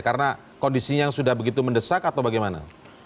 karena kondisinya sudah begitu mendesak atau bagaimana